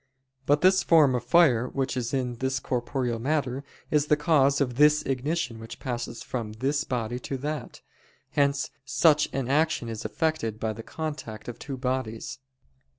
But this form of fire which is in this corporeal matter, is the cause of this ignition which passes from this body to that. Hence such an action is effected by the contact of two bodies.